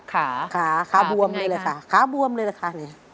ขาขาบวมเลยแหละค่ะขาบวมเลยแหละค่ะ